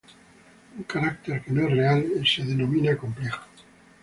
Un carácter que no es real es denominado complejo.